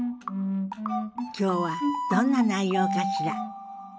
今日はどんな内容かしら。